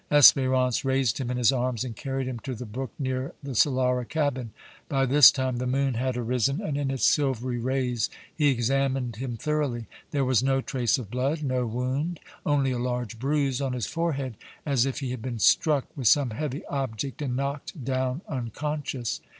Espérance raised him in his arms and carried him to the brook near the Solara cabin. By this time the moon had arisen and in its silvery rays he examined him thoroughly. There was no trace of blood, no wound; only a large bruise on his forehead, as if he had been struck with some heavy object and knocked down unconscious.